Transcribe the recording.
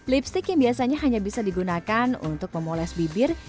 lipstick yang biasanya hanya bisa digunakan untuk memoles bibir